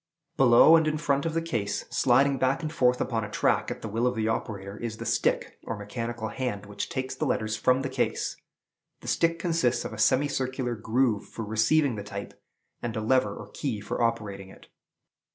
Below and in front of the case, sliding back and forth upon a track at the will of the operator, is the stick, or mechanical hand, which takes the letters from the case. The stick consists of a semicircular groove for receiving the type, and a lever or key for operating it.